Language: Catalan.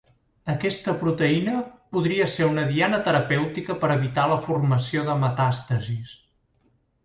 Aquesta proteïna podria ser una diana terapèutica per a evitar la formació de metàstasis.